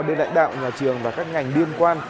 bên lãnh đạo nhà trường và các ngành liên quan